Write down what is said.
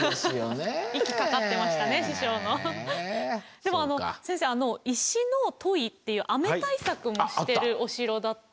でもあの先生あの石のっていう雨対策もしてるああった。